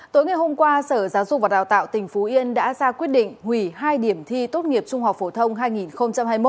tối ngày hôm qua sở giáo dục và đào tạo tỉnh phú yên đã ra quyết định hủy hai điểm thi tốt nghiệp trung học phổ thông hai nghìn hai mươi một